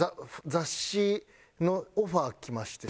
雑誌のオファーきまして。